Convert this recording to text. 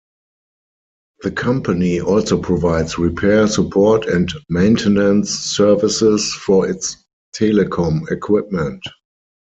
The company also provides repair, support, and maintenance services for its telecom equipment.